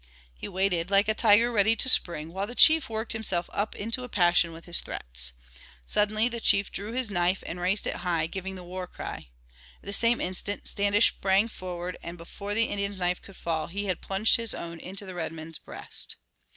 He waited, like a tiger ready to spring, while the chief worked himself up into a passion with his threats. Suddenly the chief drew his knife and raised it high, giving the war cry. At the same instant Standish sprang forward, and before the Indian's knife could fall he had plunged his own into the redman's breast.